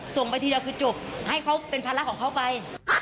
ส่งไปทีเดียวคือจบให้เขาเป็นภาระของเขาไป